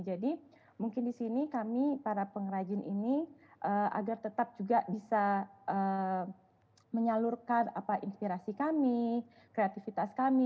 jadi mungkin di sini kami para pengrajin ini agar tetap juga bisa menyalurkan inspirasi kami kreativitas kami